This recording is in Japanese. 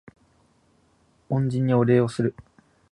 恩人にお礼をする